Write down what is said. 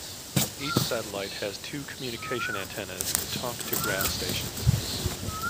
Each satellite has two communication antennas to talk to ground stations.